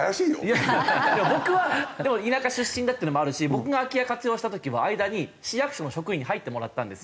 いやいや僕はでも田舎出身だっていうのもあるし僕が空き家を活用した時は間に市役所の職員に入ってもらったんですよ。